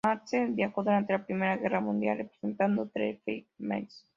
Matthews viajó durante la Primera Guerra Mundial representando "The First Mrs.